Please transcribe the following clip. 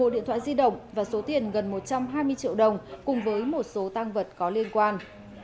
một điện thoại di động và số tiền gần một trăm hai mươi triệu đồng cùng với một số tăng vật có liên quan